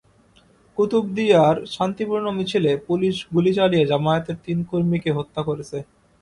কুতুবদিয়ার শান্তিপূর্ণ মিছিলে পুলিশ গুলি চালিয়ে জামায়াতের তিন কর্মীকে হত্যা করেছে।